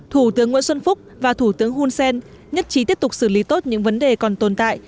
thủ tướng nguyễn xuân phúc và thủ tướng hun sen nhất trí tiếp tục xử lý tốt những vấn đề còn tồn tại